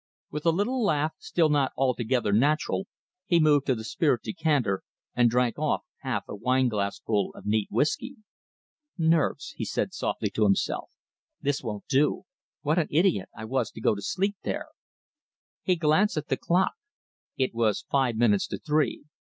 With a little laugh, still not altogether natural, he moved to the spirit decanter and drank off half a wineglassful of neat whisky! "Nerves," he said softly to himself. "This won't do! What an idiot I was to go to sleep there!" He glanced at the clock. It was five minutes to three.